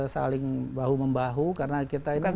saling bahu membahu karena kita ini kan